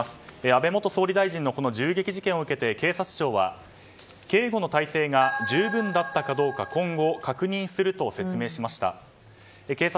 安倍元総理大臣の銃撃事件を受けて警察庁は警護の体制が十分だったかどうか今後、確認すると説明しました。